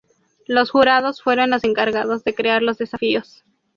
Los jurados fueron los encargados de crear los desafíos.